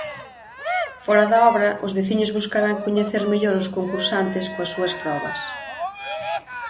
Fóra da obra, os veciños buscarán coñecer mellor os concursantes coas súas probas.